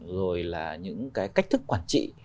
rồi là những cái cách thức quản trị